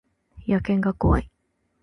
野犬が怖い